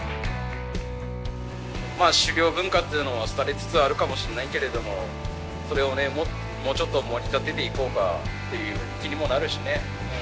狩猟文化っていうのは廃れつつあるかもしれないけれども、それをね、もうちょっともり立てていこうかっていう気にもなるしね。